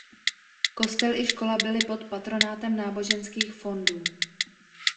Kostel i škola byly pod patronátem náboženských fondů.